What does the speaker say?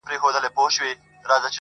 چي په کال کي یې هر څه پیسې گټلې!.